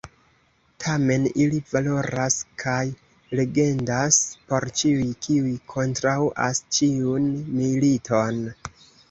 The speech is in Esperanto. Tamen, ili valoras kaj legendas por ĉiuj, kiuj kontraŭas ĉiun militon.